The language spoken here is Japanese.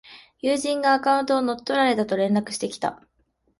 友人がアカウントを乗っ取られたと連絡してきた